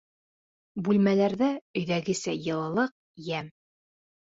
Бүлмәләрҙә өйҙәгесә йылылыҡ, йәм.